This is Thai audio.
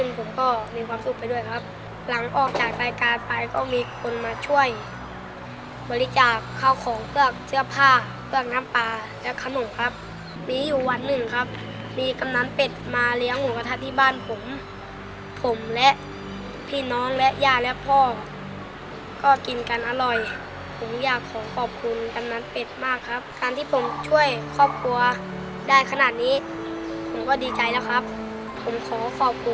ผมก็มีความสุขไปด้วยครับหลังออกจากรายการไปก็มีคนมาช่วยบริจาคข้าวของเปลือกเสื้อผ้าเปลือกน้ำปลาและขนมครับมีอยู่วันหนึ่งครับมีกำนันเป็ดมาเลี้ยงหมูกระทะที่บ้านผมผมและพี่น้องและย่าและพ่อก็กินกันอร่อยผมอยากขอขอบคุณกำนันเป็ดมากครับการที่ผมช่วยครอบครัวได้ขนาดนี้ผมก็ดีใจแล้วครับผมขอขอบคุณ